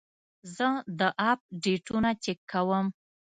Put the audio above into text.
زه د اپ ډیټونه چک کوم.